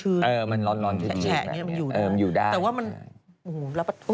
เออมันรอนชิ้นแช่อยู่เนี่ยแต่ว่ามันโหมรับประตุ์